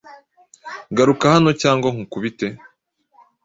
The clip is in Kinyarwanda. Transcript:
garuka hano cyangwa nkukubite